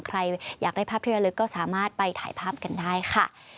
ใครอยากได้ภาพที่ระลึกก็สามารถไปถ่ายภาพกันได้ค่ะ